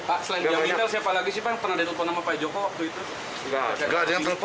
pak selain dia minta siapa lagi sih pak yang pernah ditelepon sama pak joko waktu itu